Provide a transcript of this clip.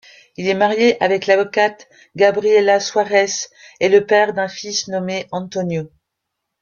Il est marié avec l'avocate Gabriela Suárez et père d'un fils nommé Antonio.